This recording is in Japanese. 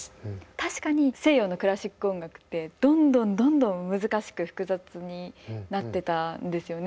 確かに西洋のクラシック音楽ってどんどんどんどん難しく複雑になってたんですよね